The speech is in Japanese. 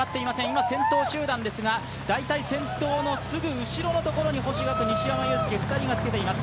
今、先頭集団ですが大体、先頭のすぐ後ろのところに星岳、西山雄介、２人がつけています